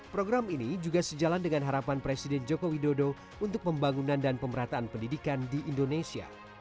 program ini juga sejalan dengan harapan presiden joko widodo untuk pembangunan dan pemerataan pendidikan di indonesia